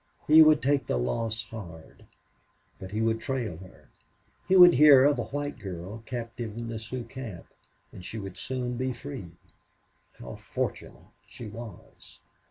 He would take the loss hard. But he would trail her; he would hear of a white girl captive in the Sioux camp and she would soon be free. How fortunate she was!